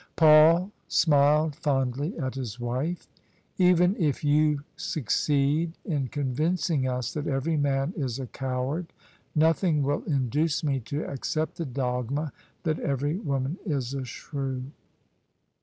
Paul smiled fondly at his wife. " Even if you succeed in convincing us that every man is a coward, nothing will induce me to accept the dogma that every woman is a shrew."